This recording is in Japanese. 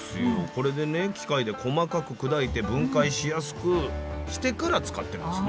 これでね機械で細かく砕いて分解しやすくしてから使ってますね。